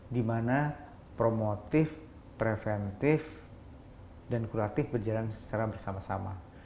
dimana promotif preventif dan kuratif berjalan secara bersama sama